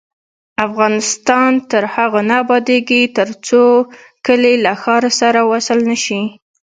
افغانستان تر هغو نه ابادیږي، ترڅو کلي له ښار سره وصل نشي.